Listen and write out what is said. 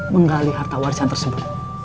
menggali harta warisan tersebut